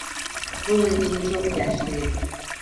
Bunun için çok yaşlıyım.